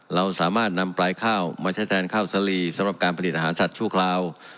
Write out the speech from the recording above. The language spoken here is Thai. เราสามารถนำปลายข้าวมาใช้แทนข้าวสลีสำหรับการผลิตอาหารสัตว์ชั่วคราว